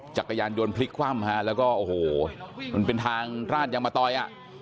จักรยานโดนพลิกคว่ำแล้วก็โอ้โหมันเป็นทางราชยังมาต้อย